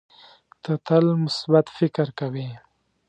ته تل مثبت فکر کوې.